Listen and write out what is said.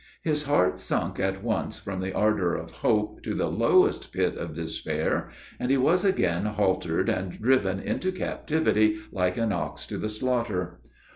His heart sunk at once from the ardor of hope to the lowest pit of despair, and he was again haltered and driven into captivity like an ox to the slaughter.